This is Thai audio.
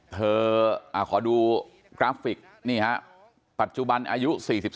เธอขอดูกราฟฟิกนี่ครับปัจจุบันอายุ๔๓